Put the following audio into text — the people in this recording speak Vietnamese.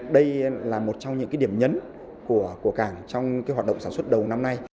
đây là một trong những điểm nhấn của cảng trong hoạt động sản xuất đầu năm nay